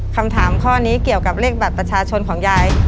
คำถามข้อนี้เกี่ยวกับเลขบัตรประชาชนของยาย